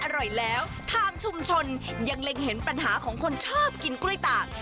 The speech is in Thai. อร่อยแล้วทางชุมชนยังเล็งเห็นปัญหาของคนชอบกินกล้วยตาก